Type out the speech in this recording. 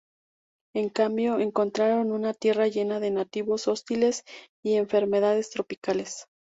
En cambio, encontraron una tierra llena de nativos hostiles y enfermedades tropicales.